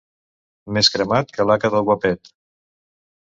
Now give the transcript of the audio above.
Més cremat que l'haca del Guapet.